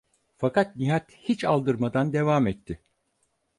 Fakat Nihat hiç aldırmadan devam etti: